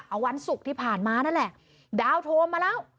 เอาวันศุกร์ที่ผ่านมานั่นแหละดาวโทรมาแล้ว